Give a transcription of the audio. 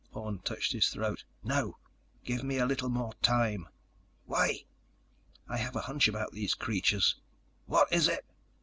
_ Orne touched his throat. "No! Give me a little more time!" "Why?" "I have a hunch about these creatures." _"What is it?"